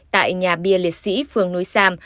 tại nhà bia liệt sĩ phường núi sam